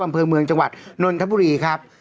อำเภอเมืองจังหวัดนนทบุรีครับ